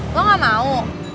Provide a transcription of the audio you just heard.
lo gak mau